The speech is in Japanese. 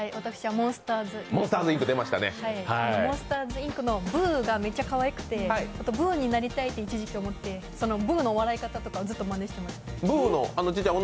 「モンスターズ・インク」のブーがめっちゃかわいくてブーになりたいと一時期思って、ブーの笑い方とかをずっとまねしてました。